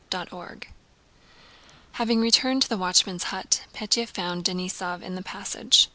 CHAPTER X Having returned to the watchman's hut, Pétya found Denísov in the passage.